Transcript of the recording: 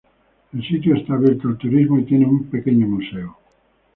El sitio está abierto al turismo y tiene un pequeño museo.